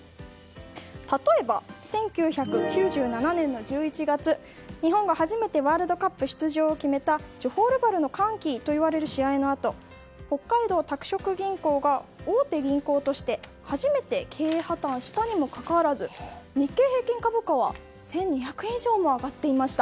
例えば、１９９７年の１１月日本が初めてワールドカップ出場を決めたジョホールバルの歓喜と呼ばれる試合のあと北海道拓殖銀行が大手銀行として初めて経営破綻したにもかかわらず日経平均株価は１２００円以上も上がっていました。